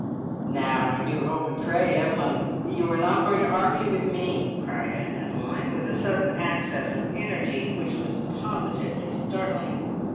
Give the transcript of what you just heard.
"Now I do hope and pray, Evelyn, that you are not going to argue with me," cried Aunt Emmeline, with a sudden access of energy which was positively startling.